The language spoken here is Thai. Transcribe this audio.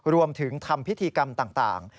รวมถึงทำพิธีกรรมต่าง